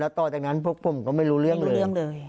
แล้วต่อจากนั้นผมก็ไม่รู้เรื่องเลย